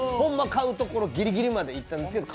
買うところギリギリまでいったんですけど。